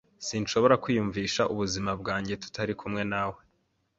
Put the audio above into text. Sinshobora kwiyumvisha ubuzima bwanjye tutari kumwe nawe.